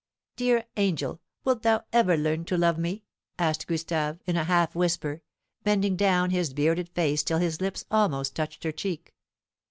"Dear angel, wilt thou ever learn to love me?" asked Gustave, in a half whisper, bending down his bearded face till his lips almost touched her cheek.